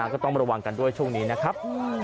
ก็ต้องระวังกันด้วยช่วงนี้นะครับ